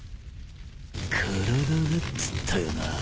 体がっつったよな。